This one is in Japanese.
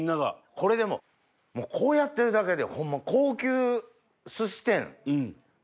これでもこうやってるだけでホンマ高級寿司店。